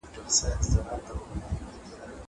هغه وويل چي د کتابتون د کار مرسته ضروري ده!